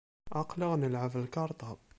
Aql-aɣ nleεεeb lkarṭa.